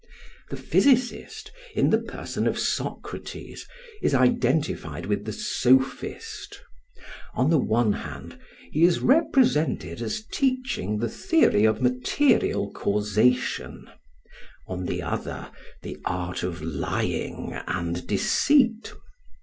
The physicist, in the person of Socrates, is identified with the sophist; on the one hand he is represented as teaching the theory of material causation, on the other the art of lying and deceit.